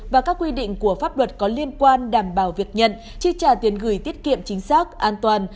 và các quy định của pháp luật có liên quan đảm bảo việc nhận chi trả tiền gửi tiết kiệm chính xác an toàn